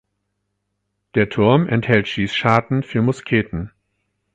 Der Turm enthält Schießscharten für Musketen.